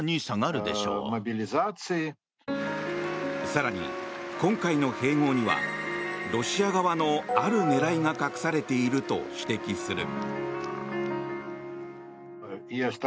更に、今回の併合にはロシア側のある狙いが隠されていると指摘する。